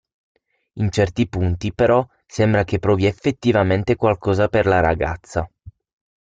In certi punti, però, sembra che provi effettivamente qualcosa per la ragazza.